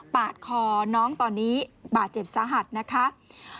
ปาดคอน้องตอนนี้บาดเจ็บสาหัสนะคะ